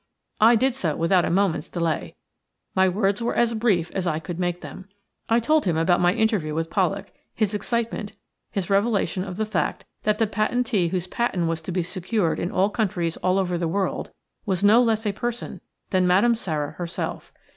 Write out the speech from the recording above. I did so without a moment's delay. My words were as brief as I could make them. I told him about my interview with Pollak, his excitement, his revelation of the fact that the patentee whose patent was to be secured in all countries all over the world was no less a person than Madame Sara herself.